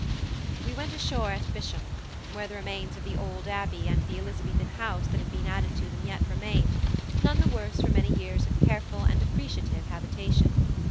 We went ashore at Bisham, where the remains of the old Abbey and the Elizabethan house that had been added to them yet remained, none the worse for many years of careful and appreciative habitation.